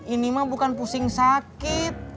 ini mah bukan pusing sakit